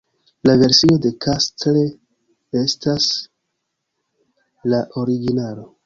La versio de Castle estas la originalo.